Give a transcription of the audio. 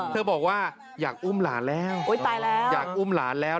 เธอบอกว่าอยากอุ้มหลานแล้วอยากอุ้มหลานแล้ว